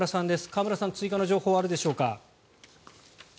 河村さん追加の情報あるでしょうか。